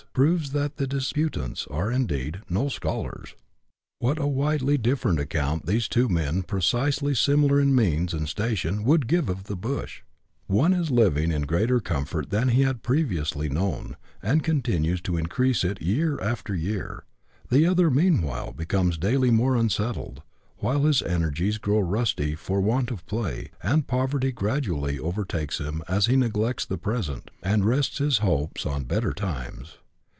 proves that the disputants are, indeed, " no scholars." "What a widely different account these two men, precisely similar in means and station, would give of the bush ! One is living in greater comfort than he bad previously known, and 150 BUSH LIFE IN AUSTRALIA. [chap. xiir. continues to increase it year after year : the other meanwhile becomes daily more unsettled, while his energies grow rusty for want of play, and poverty gradually overtakes him as he neglects the present, and rests his hopes on " better times."